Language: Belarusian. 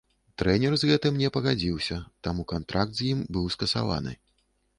Трэнер з гэтым не пагадзіўся, таму кантракт з ім быў скасаваны.